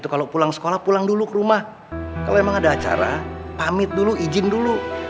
kalau emang ada acara pamit dulu izin dulu